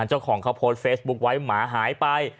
เจ้าของเขาโพสต์เฟซบุ๊คไว้หมาหายไป